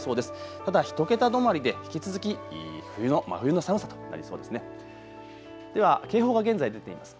ただ１桁止まりで引き続き冬の真冬の寒さとなりそうですね。